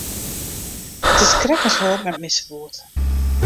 It is krekt as wol it net mear sa goed.